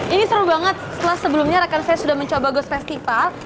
ini seru banget grade kan saya disini ngobrengan harga cause remarkable